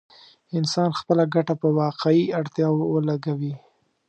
انسان خپله ګټه په واقعي اړتياوو ولګوي.